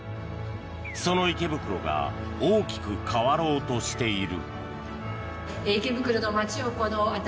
その池袋が大きく変わろうとしている。